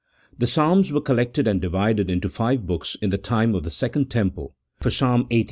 The Psalms were collected and divided into five books in the time of the second temple, for Ps. lxxxviii.